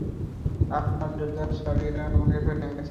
আপনার যোদ্ধা সাহাবীরা আমাকে ধরে এনেছে।